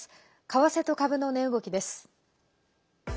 為替と株の値動きです。